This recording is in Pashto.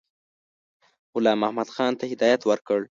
غلام محمدخان ته هدایت ورکړ.